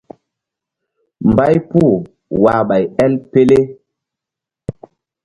Mbay puh wah ɓay el pele.